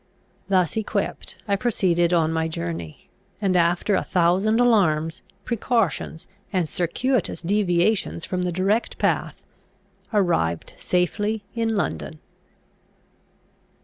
Thus equipped, I proceeded on my journey, and, after a thousand alarms, precautions, and circuitous deviations from the direct path, arrived safely in London.